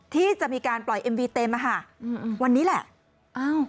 ที่จะมีการปล่อยเอ็มวีเต็มอะค่ะวันนี้แหละ